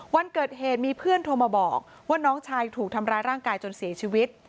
วันเกิดเหตุมีเพื่อนโทรมาบอกว่าน้องชายถูกทำร้ายร่างกายจนเสียชีวิต